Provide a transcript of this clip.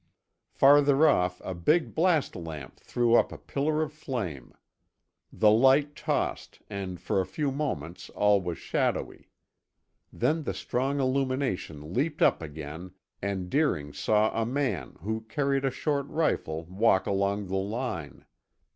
Farther off, a big blast lamp threw up a pillar of flame. The light tossed and for a few moments all was shadowy. Then the strong illumination leaped up again, and Deering saw a man who carried a short rifle walk along the line.